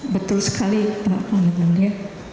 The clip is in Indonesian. betul sekali pak